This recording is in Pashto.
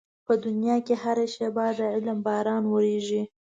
په دنيا کې هره شېبه د علم باران ورېږي.